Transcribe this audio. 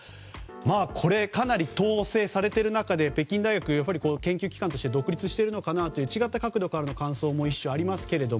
これ、かなり統制されている中で北京大学は研究機関として独立しているのかなという違った角度からの感想も一種、ありますけれども。